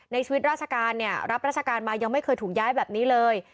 ชีวิตราชการเนี่ยรับราชการมายังไม่เคยถูกย้ายแบบนี้เลย